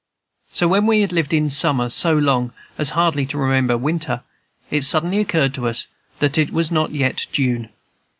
So when we had lived in summer so long as hardly to remember winter, it suddenly occurred to us that it was not yet June.